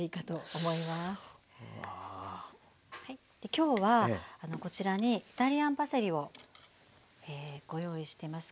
今日はこちらにイタリアンパセリをご用意してます。